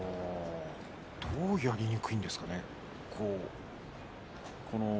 どうやりにくいんですか。